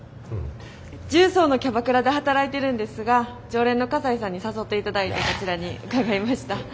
十三のキャバクラで働いてるんですが常連の西さんに誘って頂いてこちらに伺いました。